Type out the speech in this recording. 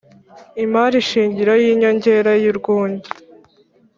imari shingiro y inyongera y urwunge